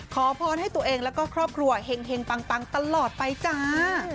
ขอพรให้ตัวเองแล้วก็ครอบครัวเห็งปังตลอดไปจ้า